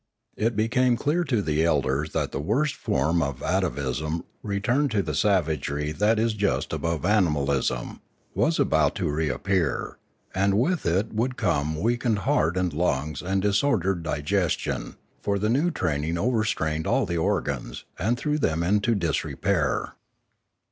It be came clear to the elders that the worst form of atavism, return to the savagery that is just above animalism, was about to reappear, and with it would come weak ened heart and lungs and disordered digestion; for the new training overstrained all the organs, and threw them into disrepair.